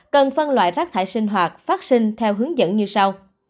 cần phân loại rác thải sinh hoạt phát sinh theo hướng dẫn như sau